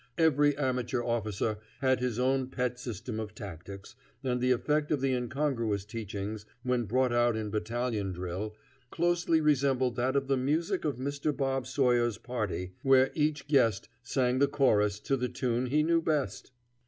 Every amateur officer had his own pet system of tactics, and the effect of the incongruous teachings, when brought out in battalion drill, closely resembled that of the music at Mr. Bob Sawyer's party, where each guest sang the chorus to the tune he knew best.